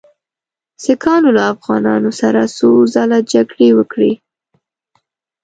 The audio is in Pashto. سیکهانو له افغانانو سره څو ځله جګړې وکړې.